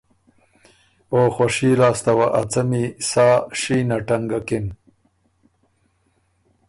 او خؤشي لاسته وه ا څمی سا شینه ټنګکِن